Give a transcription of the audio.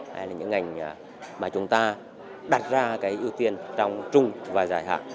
hay là những ngành mà chúng ta đặt ra cái ưu tiên trong trung và dài hạng